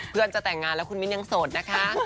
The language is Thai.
เพื่อนจะแต่งงานแล้วคุณมิ้นยังโสดนะคะ